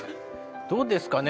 どうですかね？